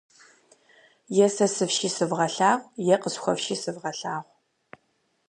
Е сэ сыфши сывгъэлъагъу, е къысхуэфши сывгъэлъагъу.